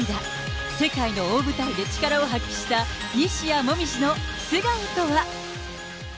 世界の大舞台で力を発揮した西矢椛の素顔とは。